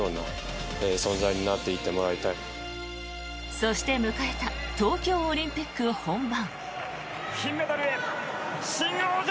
そして、迎えた東京オリンピック本番。